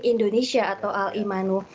indonesia atau al imanu